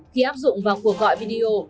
khi áp dụng vào cuộc gọi video